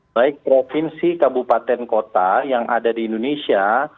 baik provinsi kabupaten kota yang ada di indonesia